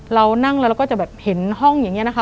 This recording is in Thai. เรานั่งแล้วเราก็จะแบบเห็นห้องอย่างนี้นะคะ